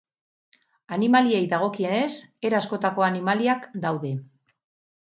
Animaliei dagokienez, era askotako animaliak daude.